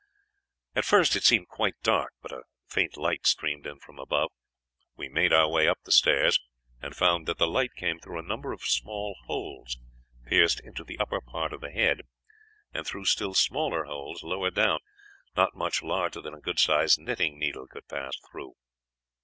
"At first it seemed quite dark, but a faint light streamed in from above; we made our way up the stairs, and found that the light came through a number of small holes pierced in the upper part of the head, and through still smaller holes lower down, not much larger than a good sized knitting needle could pass through.